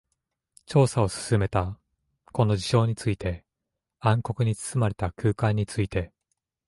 調査を進めた。この事象について、暗黒に包まれた空間について。